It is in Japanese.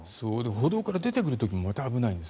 歩道から出てくる時もまた危ないんです。